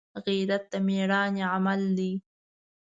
غیرت د مړانې عمل دی